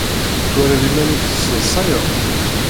Tettwaliḍ iman-nnek tesseḍsayeḍ?